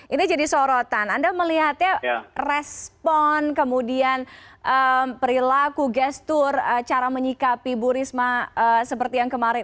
ini jadi sorotan anda melihatnya respon kemudian perilaku gestur cara menyikapi bu risma seperti yang kemarin